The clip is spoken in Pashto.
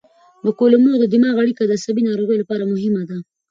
کولمو او دماغ اړیکه د عصبي ناروغیو لپاره مهمه ده.